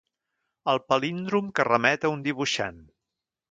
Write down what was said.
El palíndrom que remet a un dibuixant.